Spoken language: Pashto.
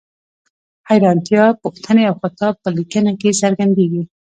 حیرانتیا، پوښتنې او خطاب په لیکنه کې څرګندیږي.